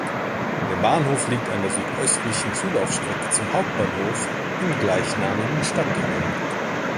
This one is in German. Der Bahnhof liegt an der südöstlichen Zulaufstrecke zum Hauptbahnhof im gleichnamigen Stadtteil.